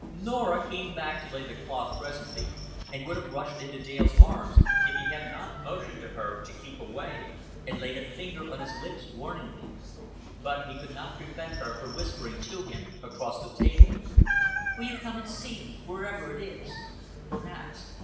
Norah came back to lay the cloth presently, and would have rushed into Dale's arms, if he had not motioned to her to keep away, and laid a finger on his lips warningly. But he could not prevent her from whispering to him across the table. "Will you come and see me, wherever it is?" "Perhaps."